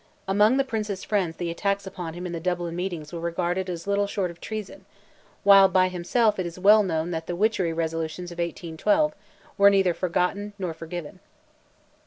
Among "the Prince's friends" the attacks upon him in the Dublin meetings were regarded as little short of treason; while by himself, it is well known the "witchery" resolutions of 1812 were neither forgotten nor forgiven.